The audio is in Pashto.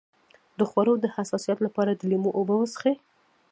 د خوړو د حساسیت لپاره د لیمو اوبه وڅښئ